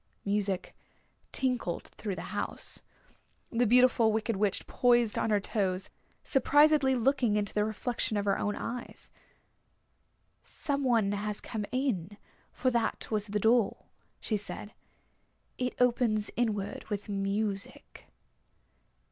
Music tinkled through the house. The Beautiful Wicked Witch poised on her toes, surprisedly looking into the reflection of her own eyes. "Some one has come in, for that was the door," she said. "It opens inward with music."